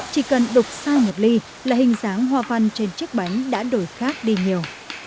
chỉ cần đục sai một ly là hình dáng hoa văn trên chiếc bánh đã đổi khác đi nhiều